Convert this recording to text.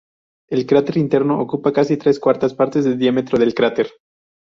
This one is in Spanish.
El cráter interno ocupa casi tres cuartas partes del diámetro del cráter.